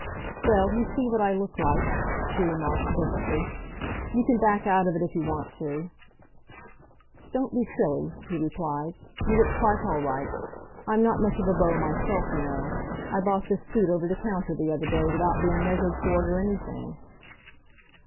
"Well, you see what I look like," she remarked brusquely. "You can back out of it, if you want to." "Don't be silly," he replied. "You look quite all right. I'm not much of a beau myself, you know. I bought this suit over the counter the other day, without being measured for it or anything."